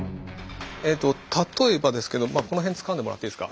えっと例えばですけどこの辺つかんでもらっていいですか？